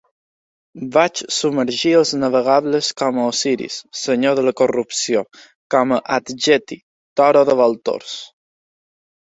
Vaig submergir els navegables com a Osiris, Senyor de la corrupció, com a Adjety, toro de voltors.